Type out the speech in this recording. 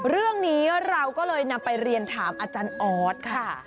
เรื่องนี้เราก็เลยนำไปเรียนถามอาจารย์ออสค่ะ